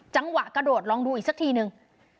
จังหวะกระโดดลองดูอีกสักทีนึง